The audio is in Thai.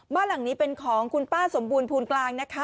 บ้านหลังนี้เป็นของคุณป้าสมบูรณภูมิกลางนะคะ